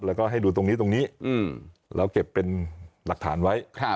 แล้วก็ให้ดูตรงนี้ตรงนี้แล้วเก็บเป็นหลักฐานไว้